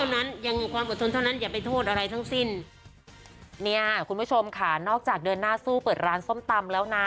เนี่ยคุณผู้ชมค่ะนอกจากเดินหน้าสู้เปิดร้านส้มตำแล้วนะ